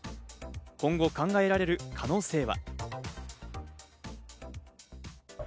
今後、考えられる可能性は？